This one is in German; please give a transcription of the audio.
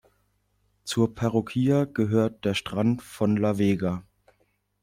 Zur Parroquia gehört der Strand von La Vega.